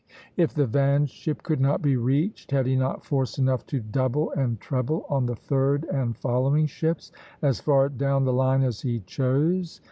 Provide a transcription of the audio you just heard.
If the van ship could not be reached, had he not force enough to double and treble on the third and following ships, as far down the line as he chose?